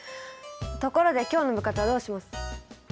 ところで今日の部活はどうしま。